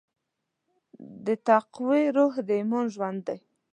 د تقوی روح د ایمان ژوند دی.